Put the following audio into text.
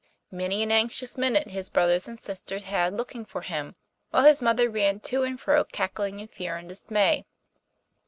Many an anxious minute his brothers and sisters had looking for him, while his mother ran to and fro cackling in fear and dismay.